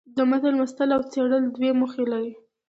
د متن لوستل او څېړل دوې موخي لري.